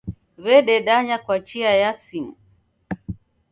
W'ededanya kwa chia ya simu.